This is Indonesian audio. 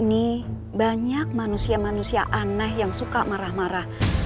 ini banyak manusia manusia aneh yang suka marah marah